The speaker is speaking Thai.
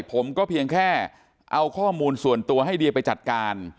ผมก็เพียงแค่เอาข้อมูลส่วนตัวให้เดียไปจัดการ